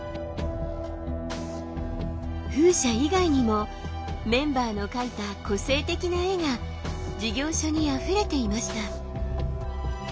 風車以外にもメンバーの描いた個性的な絵が事業所にあふれていました。